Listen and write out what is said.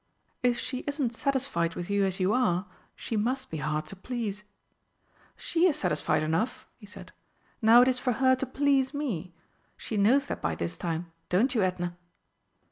"If she isn't satisfied with you as you are, she must be hard to please." "She is satisfied enough," he said. "Now it is for her to please me. She knows that by this time don't you, Edna?"